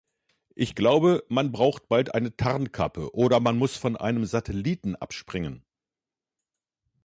Ich glaube, man braucht bald eine Tarnkappe oder man muss von einem Satelliten abspringen.